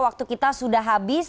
waktu kita sudah habis